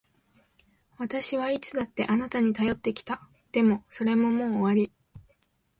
私はいつだってあなたに頼ってきた。でも、それももう終わり。